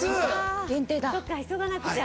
そっか急がなくちゃ。